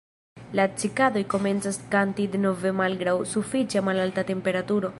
La Cikadoj komencas kanti denove malgraŭ sufiĉe malalta temperaturo.